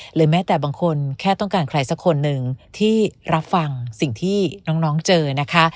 หรือแม้แต่บางคนแค่ต้องการใครสักคนหนึ่งที่รับฟังสิ่งที่น้องเจอนะคะ